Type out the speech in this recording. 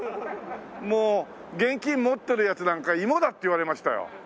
もう現金持ってるヤツなんかイモだって言われましたよ。